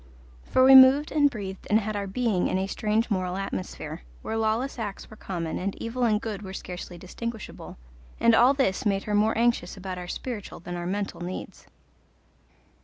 For we moved and breathed and had our being in a strange moral atmosphere, where lawless acts were common and evil and good were scarcely distinguishable, and all this made her more anxious about our spiritual than our mental needs.